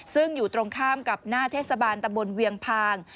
ซึ่งอยู่ตรงข้ามกับหน้าเทศบาลตะบนเวียงพาง